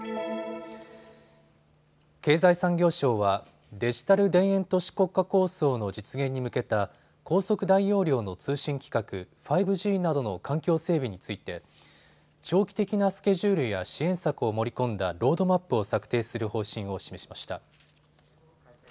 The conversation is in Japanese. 経済産業省はデジタル田園都市国家構想の実現に向けた高速・大容量の通信規格、５Ｇなどの環境整備について長期的なスケジュールや支援策を盛り込んだロードマップを策定する方針を示しました。